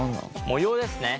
模様ですね。